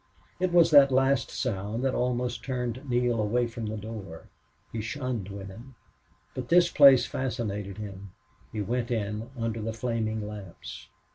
It was that last sound which almost turned Neale away from the door. He shunned women. But this place fascinated him. He went in under the flaming lamps.